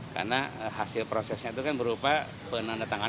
karena hasil prosesnya itu kan berupa penandatangan